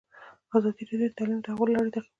ازادي راډیو د تعلیم د تحول لړۍ تعقیب کړې.